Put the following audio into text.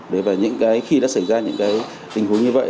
đấy và những cái khi đã xảy ra những cái tình huống như vậy